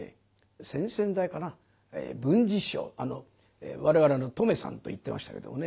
先々代かな文治師匠我々留さんと言ってましたけどもね。